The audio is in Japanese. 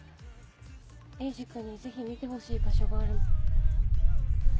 エイジ君にぜひ見てほしい場所があるの。